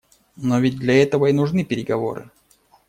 Но ведь для этого-то и нужны переговоры.